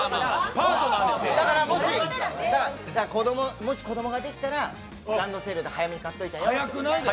だから、もし子供ができたらランドセルを早めに買っといたよって。